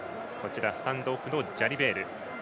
スタンドオフのジャリベール。